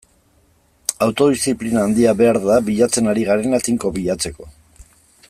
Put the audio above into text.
Autodiziplina handia behar da bilatzen ari garena tinko bilatzeko.